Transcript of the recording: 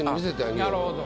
なるほど。